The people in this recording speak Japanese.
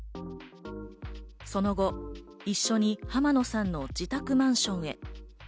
その後、一緒に浜野さんの自宅マンションへ。